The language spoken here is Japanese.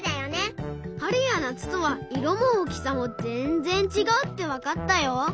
はるやなつとはいろもおおきさもぜんぜんちがうってわかったよ！